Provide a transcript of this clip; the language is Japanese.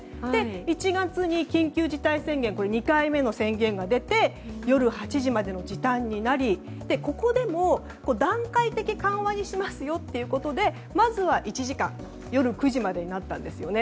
１月に緊急事態宣言２回目の宣言が出て夜８時までの時短になりそして、ここでも段階的緩和にしますよということでまずは１時間夜９時までになったんですね。